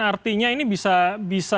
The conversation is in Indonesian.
artinya ini bisa